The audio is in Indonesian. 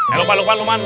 eh lukman lukman lukman